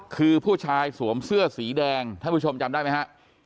คือผู้ชายสวมเสื้อสีแดงท่านผู้ชมจำได้ไหมฮะ